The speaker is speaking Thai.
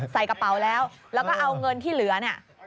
ใส่กระเป๋าแล้วแล้วก็เอาเงินที่เหลือเนี่ย